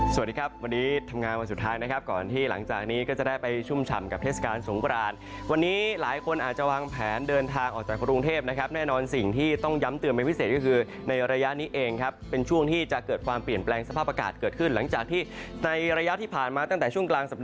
สวัสดีครับวันนี้ทำงานวันสุดท้ายนะครับก่อนที่หลังจากนี้ก็จะได้ไปชุ่มฉ่ำกับเทศกาลสงครานวันนี้หลายคนอาจจะวางแผนเดินทางออกจากกรุงเทพนะครับแน่นอนสิ่งที่ต้องย้ำเตือนเป็นพิเศษก็คือในระยะนี้เองครับเป็นช่วงที่จะเกิดความเปลี่ยนแปลงสภาพอากาศเกิดขึ้นหลังจากที่ในระยะที่ผ่านมาตั้งแต่ช่วงกลางสัป